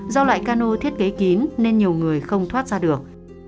do loại cano thiết kế kín nên nhiều người không thoát ra được